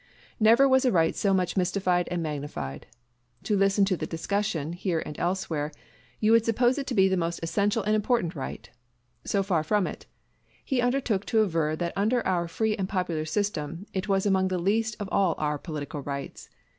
Never was a right so much mystified and magnified. To listen to the discussion, here and elsewhere, you would suppose it to be the most essential and important right: so far from it, he undertook to aver that under our free and popular system it was among the least of all our political rights.